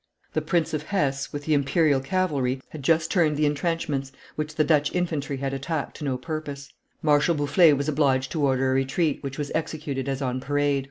The Prince of Hesse, with the imperial cavalry, had just turned the intrenchments, which the Dutch infantry had attacked to no purpose; Marshal Boufflers was obliged to order a retreat, which was executed as on parade.